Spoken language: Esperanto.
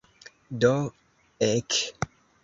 Do, ek.